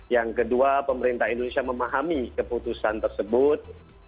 yang kedua pemerintah indonesia memahami keputusan tersebut